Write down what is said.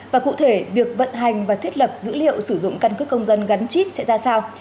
và cụ thể việc vận hành và thiết lập dữ liệu sử dụng căn cứ công dân gắn chip sẽ ra sao